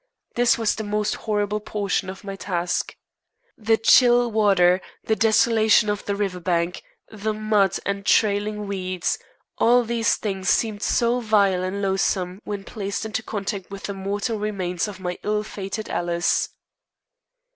This was the most horrible portion of my task. The chill water, the desolation of the river bank, the mud and trailing weeds all these things seemed so vile and loathsome when placed in contact with the mortal remains of my ill fated Alice.